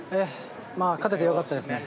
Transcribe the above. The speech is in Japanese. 勝てて良かったですね。